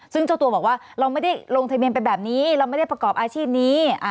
ซึ่งเจ้าตัวบอกว่าเราไม่ได้ลงทะเบียนไปแบบนี้เราไม่ได้ประกอบอาชีพนี้